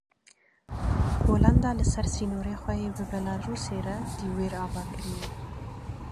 Polanda li ser sînorê xwe yê bi Belarusê re dîwêr ava dike.